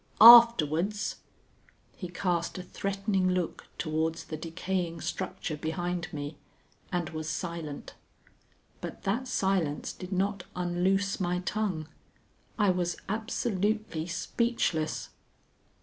Afterwards " He cast a threatening look towards the decaying structure behind me, and was silent. But that silence did not unloose my tongue. I was absolutely speechless.